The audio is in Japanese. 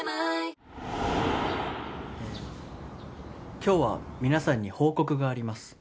今日は皆さんに報告があります